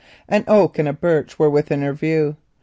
An oak and a birch were within her view.